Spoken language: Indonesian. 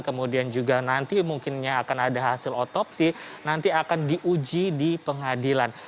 kemudian juga nanti mungkinnya akan ada hasil otopsi nanti akan diuji di pengadilan